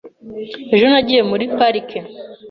Ejo nagiye muri pariki.